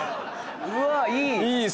うわいい。